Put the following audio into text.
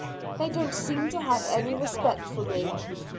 They don't seem to have any respect for me.